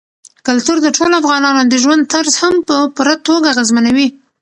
کلتور د ټولو افغانانو د ژوند طرز هم په پوره توګه اغېزمنوي.